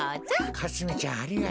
かすみちゃんありがとう。